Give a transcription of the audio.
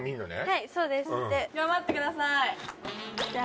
はいそうです頑張ってくださいじゃあ